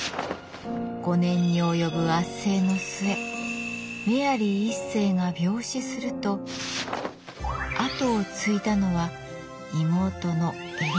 ５年に及ぶ圧政の末メアリー１世が病死すると跡を継いだのは妹のエリザベスでした。